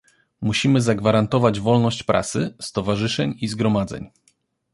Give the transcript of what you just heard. Musimy zagwarantować wolność prasy, stowarzyszeń i zgromadzeń